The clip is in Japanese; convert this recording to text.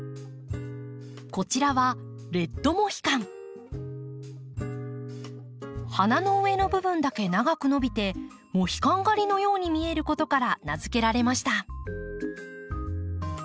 こちらは花の上の部分だけ長く伸びてモヒカン刈りのように見えることから名付けられました。